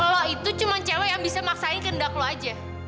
lo itu cuma cewek yang bisa maksain kendak lo aja